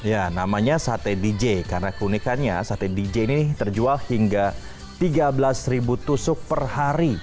ya namanya sate dj karena keunikannya sate dj ini terjual hingga tiga belas tusuk per hari